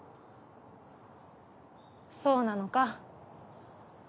そうなのか？